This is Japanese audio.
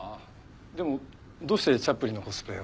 でもどうしてチャップリンのコスプレを？